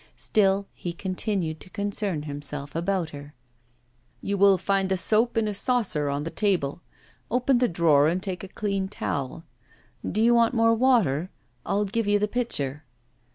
Still he continued to concern himself about her. 'You will find the soap in a saucer on the table. Open the drawer and take a clean towel. Do you want more water? I'll give you the pitcher.